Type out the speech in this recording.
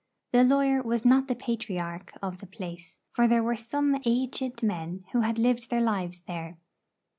The lawyer was not the patriarch of the place; for there were some aged men who had lived their lives there.